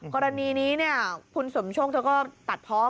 กรณีนี้คุณสมโชคเธอก็ตัดเพาะ